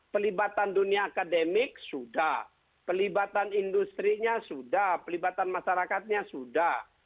pelibatan dunia akademik sudah pelibatan industri nya sudah pelibatan masyarakatnya sudah